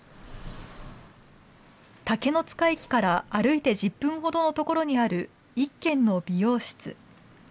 竹ノ塚駅から歩いて１０分ほどの所にある一軒の美容室。